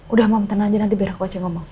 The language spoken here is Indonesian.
udah mama tenang aja nanti biar aku aja ngomong